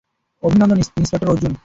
অভিনন্দন, ইন্সপেক্টর অর্জুন।